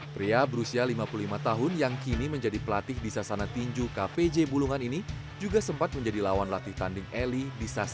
pria berusia lima puluh lima tahun yang kini menjadi pelatih di sasana tinju kpj bulungan ini juga sempat menjadi lawan latih tanding eli di sasaran